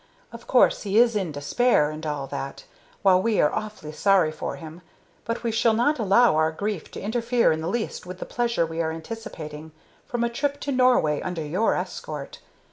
Of course he is in despair, and all that, while we are awfully sorry for him, but we shall not allow our grief to interfere in the least with the pleasure we are anticipating from a trip to Norway under your escort.